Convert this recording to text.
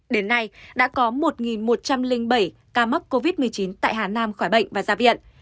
đến nay đã có một một trăm linh bảy ca mắc covid một mươi chín tại hà nam khỏi bệnh và ra viện